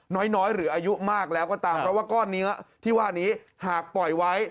น้อยหรืออายุมากแล้วก็ตามเพราะว่าก้อนเนื้อที่ว่านี้หากปล่อยไว้